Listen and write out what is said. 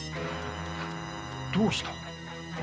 どうした？